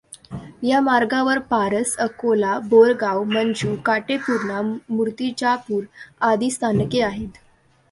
या मार्गावर पारस, अकोला, बोरगाव मंजू, काटेपूर्णा, मूर्तिजापूर आदी स्थानके आहेत.